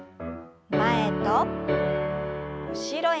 前と後ろへ。